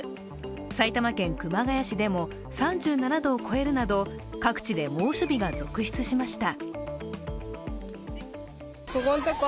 埼玉県熊谷市でも３７度を超えるなど、各地で猛暑日が続出しました。